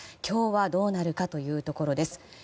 今日はどうなるかというところです。